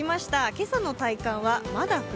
今朝の体感はまだ冬？